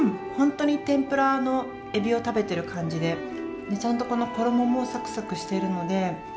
本当に天ぷらのエビを食べてる感じでちゃんとこの衣もサクサクしているので。